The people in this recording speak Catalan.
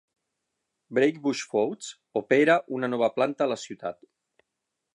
Brakebush Foods opera una nova planta a la ciutat.